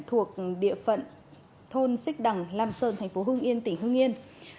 thuộc địa phận thôn sích đằng lam sơn tp hương yên tỉnh hương yên